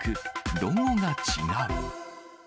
ロゴが違う。